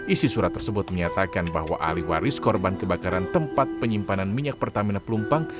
isi surat tersebut menyatakan bahwa ahli waris korban kebakaran tempat penyimpanan minyak pertamina pelumpang